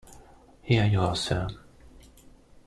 Here you are, sir.